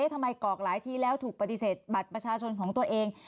กรอกหลายทีแล้วถูกปฏิเสธบัตรประชาชนของตัวเอง